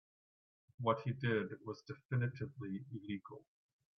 What he did was definitively illegal.